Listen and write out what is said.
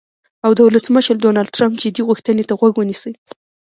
او د ولسمشر ډونالډ ټرمپ "جدي غوښتنې" ته غوږ ونیسي.